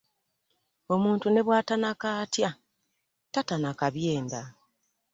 Omuntu ne bwatanakatya, tatanaka byenda .